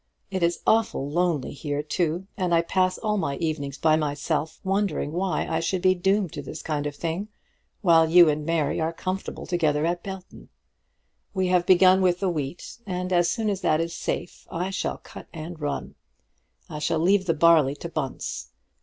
It is awful lonely here, too, and I pass all my evenings by myself, wondering why I should be doomed to this kind of thing, while you and Mary are comfortable together at Belton. We have begun with the wheat, and as soon as that is safe I shall cut and run. I shall leave the barley to Bunce.